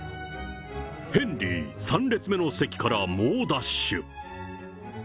ヘンリー、３列目の席から猛ダッシュ。